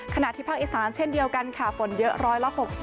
ขณะที่ภาคอีสานเช่นเดียวกันค่ะฝนเยอะร้อยละ๖๐